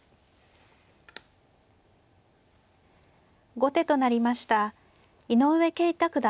後手となりました井上慶太九段です。